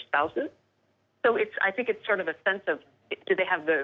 คิดว่าใช้ความเข้าเป็นออกจากชีวิต